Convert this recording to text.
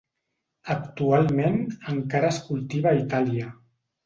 Actualment encara es cultiva a Itàlia.